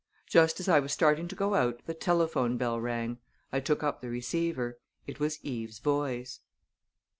Just as I was starting to go out the telephone bell rang. I took up the receiver. It was Eve's voice.